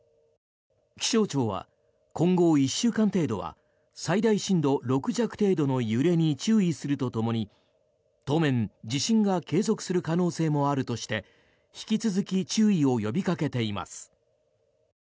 気象庁は今後１週間程度は最大震度６弱程度の揺れに注意するとともに当面、地震が継続する可能性もあるとして引き続き注意を呼びかけています。